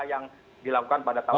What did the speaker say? yang dilakukan pada tahun dua ribu